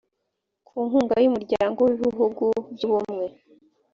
ku nkunga y umuryango w ibihugu by ubumwe